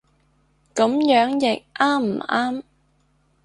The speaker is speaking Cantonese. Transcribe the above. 噉樣譯啱唔啱